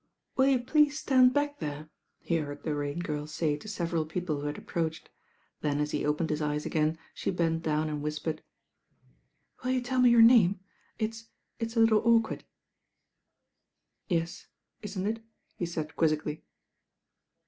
"Will you pleate ttand back there?" he heard the Rain Girl tay to teveral people who had ap proached; then at he opened hit eyet again the bent down and whispered, "Will you tell me your name? It'»— it't a little awkward." "Yet, isn't it?" he taid quizzically.